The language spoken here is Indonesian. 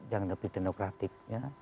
yang lebih demokratik